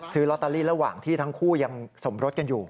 ซื้อลอตเตอรี่ระหว่างที่ทั้งคู่ยังสมรสกันอยู่